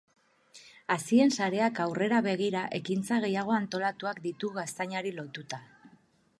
Hazien sareak aurrera begira ekintza gehiago antolatuak ditu gaztainari lotuta.